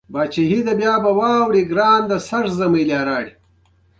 ازادي راډیو د تعلیمات د نجونو لپاره پرمختګ او شاتګ پرتله کړی.